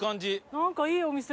なんかいいお店。